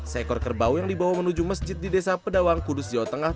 seekor kerbau yang dibawa menuju masjid di desa pedawang kudus jawa tengah